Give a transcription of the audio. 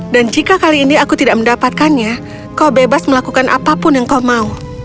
dan jika kali ini aku tidak mendapatkannya kau bebas melakukan apapun yang kau mau